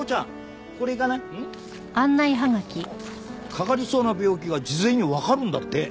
かかりそうな病気が事前にわかるんだって。